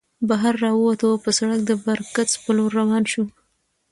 بهر راووتو او پۀ سړک د برکڅ په لور روان شو